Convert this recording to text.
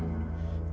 kita satu aliran